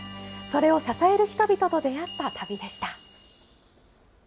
それを支える人々と出会った旅でした。